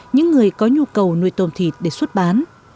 những người có nhu cầu nuôi tôm thịt để xuất bán